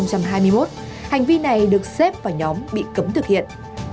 hành vi này được xếp vào nhóm bị cấm thực hiện